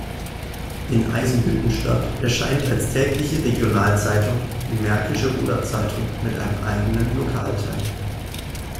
In Eisenhüttenstadt erscheint als tägliche Regionalzeitung die Märkische Oderzeitung mit einem eigenen Lokalteil.